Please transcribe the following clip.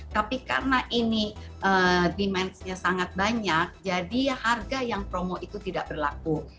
tapi karena ini demandsnya sangat banyak jadi harga yang promo itu tidak berlaku